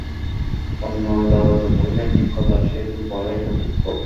অন্নদাবাবু কহিলেন, ঠিক কথা, সে তো বলাই কর্তব্য।